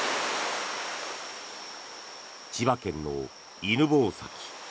千葉県の犬吠埼。